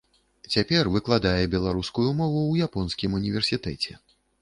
Цяпер выкладае беларускую мову ў японскім універсітэце.